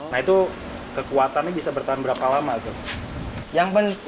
nah itu kekuatannya bisa bertahan berapa lama tuh